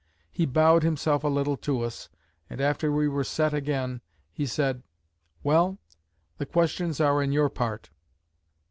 He bowed himself a little to us, and after we were set again, he said; "Well, the questions are on your part."